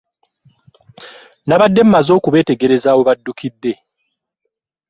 Nabadde mmaze okubeetegereza we baddukidde.